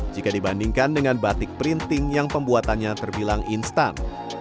jika dibandingkan dengan batik printing yang pembuatannya terbilang instan